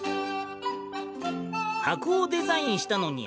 箱をデザインしたのにゃ。